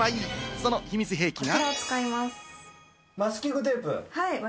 その秘密兵器が。